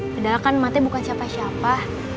padahal kan mati bukan siapa siapa